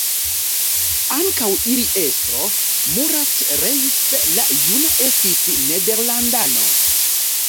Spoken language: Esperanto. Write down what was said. Ankaŭ ili estro, Murat Reis la Juna estis nederlandano.